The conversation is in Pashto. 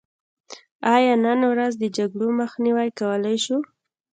آیا نن ورځ د جګړو مخنیوی کولی شو؟